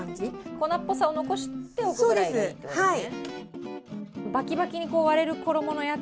粉っぽさを残しておくぐらいでいいということですね。